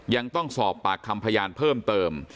ยังต้องสอบปากคำพยานเพิ่มเติม